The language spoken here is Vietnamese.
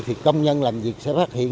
thì công nhân làm việc sẽ phát hiện